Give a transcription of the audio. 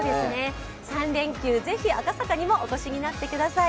３連休、ぜひ赤坂にもお越しになってください